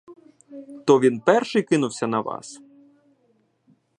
То він перший кинувся на вас?